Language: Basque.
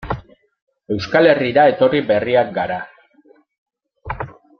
Euskal Herrira etorri berriak gara.